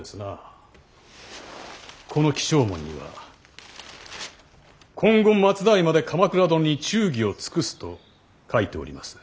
この起請文には今後末代まで鎌倉殿に忠義を尽くすと書いております。